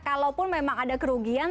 kalaupun memang ada kerugian